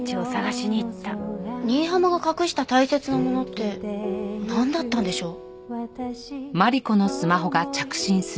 新浜が隠した大切なものってなんだったんでしょう？